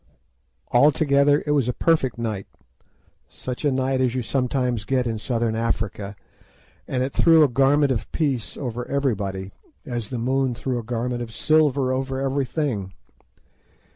Altogether it was a perfect night, such a night as you sometimes get in Southern Africa, and it threw a garment of peace over everybody as the moon threw a garment of silver over everything.